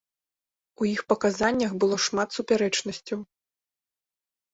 У іх паказаннях было шмат супярэчнасцяў.